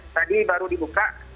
tadi baru dibuka